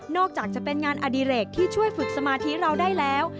จากจะเป็นงานอดิเรกที่ช่วยฝึกสมาธิเราได้แล้ว